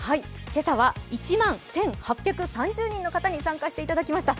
今朝は１万１８３０人の方に参加していただきました。